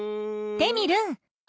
テミルン。